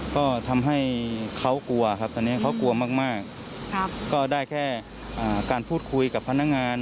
ก็ทำให้เขากลัวมากก็ได้แค่การพูดคุยกับพนักงาน